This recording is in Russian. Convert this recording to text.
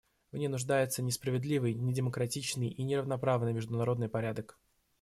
В ней нуждается несправедливый, недемократичный и неравноправный международный порядок.